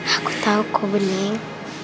aku tau kok bening